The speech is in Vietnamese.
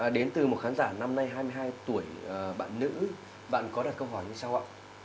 đến từ một khán giả năm nay hai mươi hai tuổi bạn nữ bạn có đặt câu hỏi như sau ạ